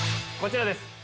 こちらです。